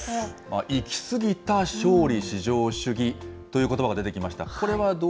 行き過ぎた勝利至上主義ということばが出てきました。